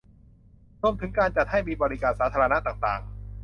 รวมถึงการจัดให้มีบริการสาธารณะต่างต่าง